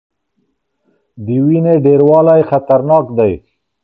د وینې ډیروالی خطرناک دی.